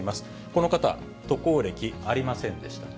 この方、渡航歴ありませんでした。